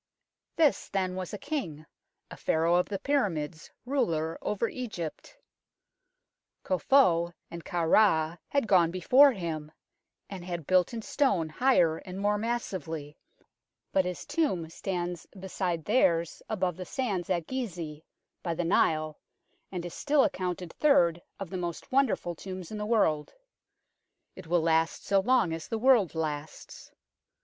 This then was a king, a Pharaoh of the Pyramids, ruler over Egypt. Khufu and Khafra had gone before him, and had built in stone higher and more massively, but his tomb stands beside theirs above the sands at Gizeh, by the Nile, and is still accounted third of the most wonderful tombs in the world. It will last so long as the world lasts.